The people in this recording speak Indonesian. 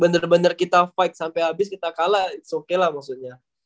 bener bener kita fight sampe abis kita kalah it s oke lah maksudnya